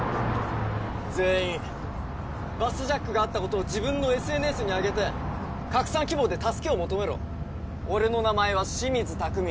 全員バスジャックがあったことを自分のＳＮＳにあげて拡散希望で助けを求めろ俺の名前は清水拓海